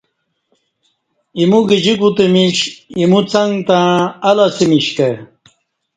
ایمو گجی کُوتہ مِیش اِیمو څک تݩع الہ اسمِش کہ